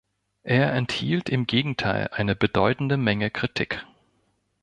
Er enthielt im Gegenteil eine bedeutende Menge Kritik.